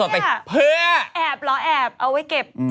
โฮ้ย